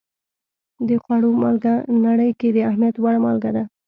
د خوړو مالګه نړۍ کې د اهمیت وړ مالګه ده.